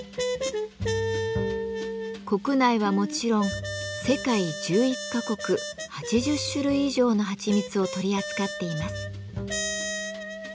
国内はもちろん世界１１か国８０種類以上のはちみつを取り扱っています。